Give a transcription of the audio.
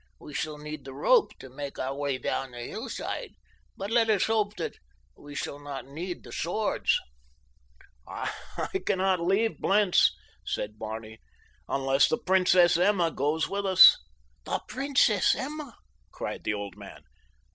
We shall need the rope to make our way down the hillside, but let us hope that we shall not need the swords." "I cannot leave Blentz," said Barney, "unless the Princess Emma goes with us." "The Princess Emma!" cried the old man.